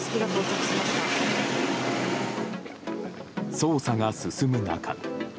捜査が進む中